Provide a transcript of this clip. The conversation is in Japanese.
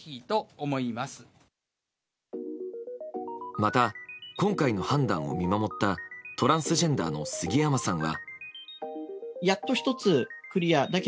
また、今回の判断を見守ったトランスジェンダーの杉山さんは。